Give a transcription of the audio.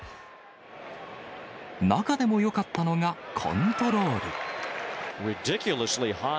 中でもよかったのが、コントロール。